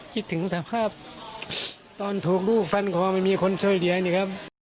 คิดถึงสภาพตอนถูกลูกฟันคอไม่มีคนช่วยเหลือนี่ครับ